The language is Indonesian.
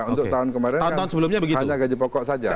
untuk tahun kemarin kan hanya gaji pokok saja